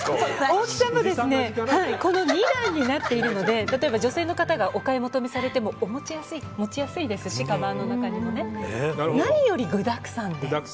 大きさもこの２段になっているので女性の方がお買い求めされても持ちやすいですしかばんの中にも。何より具だくさんで。